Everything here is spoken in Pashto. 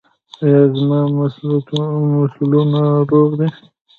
ایا زما مفصلونه روغ دي؟